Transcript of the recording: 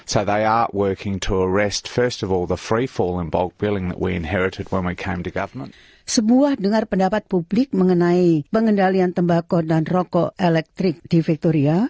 sebuah dengar pendapat publik mengenai pengendalian tembako dan rokok elektrik di victoria